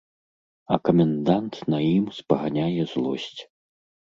А камендант на ім спаганяе злосць.